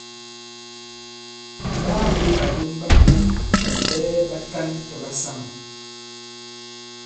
M̀ ɓaa bwě ɓàlom ɓa ko jàm ɓɛɛ ɓatan tɔ̀ ɓasamà.